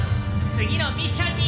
次のミッションに！